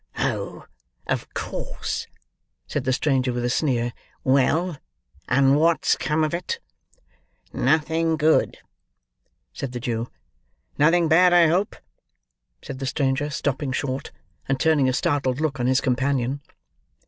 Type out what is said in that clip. "Oh, of course!" said the stranger, with a sneer. "Well; and what's come of it?" "Nothing good," said the Jew. "Nothing bad, I hope?" said the stranger, stopping short, and turning a startled look on his companion.